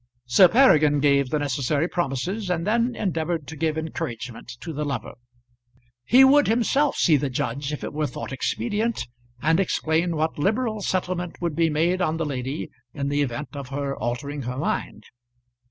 Sir Peregrine gave the necessary promises, and then endeavoured to give encouragement to the lover. He would himself see the judge, if it were thought expedient, and explain what liberal settlement would be made on the lady in the event of her altering her mind.